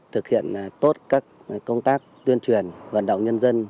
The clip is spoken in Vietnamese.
thực hiện tốt các công tác tuyên truyền vận động nhân dân